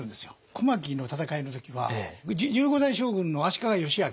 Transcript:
小牧の戦いの時は十五代将軍の足利義昭。